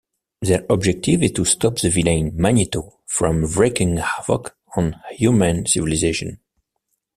Their objective is to stop the villain Magneto from wreaking havoc on human civilization.